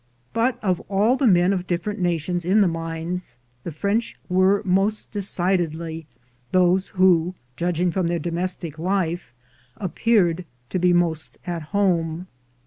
But of all the men of different nations in the mines, the French were most decidedly those who, judging from their domestic life, appeared to be most at home.